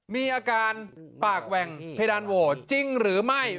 มีอาการปากแหว่งเพดานโหวจริงหรือไม่